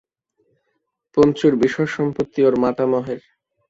পঞ্চুর বিষয়-সম্পত্তি ওর মাতামহের।